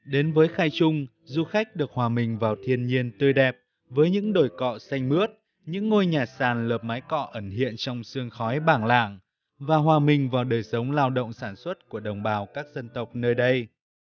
đến với khai trung du khách được hòa mình vào thiên nhiên tươi đẹp với những đồi cọ xanh mướt những ngôi nhà sàn lợp mái cọ ẩn hiện trong sương khói bảng lạng và hòa mình vào đời sống lao động sản xuất của đồng bào các dân tộc nơi đây